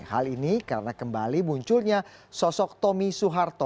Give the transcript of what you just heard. hal ini karena kembali munculnya sosok tommy soeharto